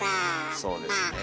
そうですね。